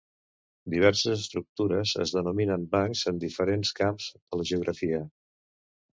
Diverses estructures es denominen bancs en diferents camps de la geografia.